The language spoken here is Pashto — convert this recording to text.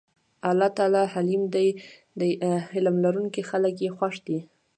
الله تعالی حليم دی حِلم لرونکي خلک ئي خوښ دي